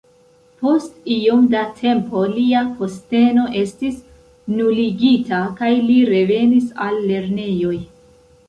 Post iom da tempo lia posteno estis nuligita kaj li revenis al lernejoj.